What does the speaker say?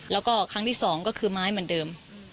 แล้วก็ครั้งที่สองก็คือไม้เหมือนเดิม